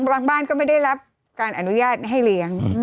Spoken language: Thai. บางบ้านก็ไม่ได้รับการอนุญาตให้เลี้ยง